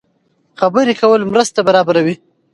خبرې کول مرسته برابروي.